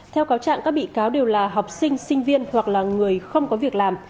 theo cáo trạng các bị cáo đều là học sinh sinh viên hoặc là người không có việc làm